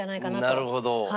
なるほど。